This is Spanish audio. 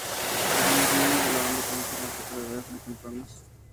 Algunos miembros de la banda comenzaron a tocar a edades muy tempranas.